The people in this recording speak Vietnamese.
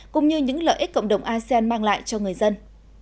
cũng như những lợi ích cộng đồng asean mang lại cho người dân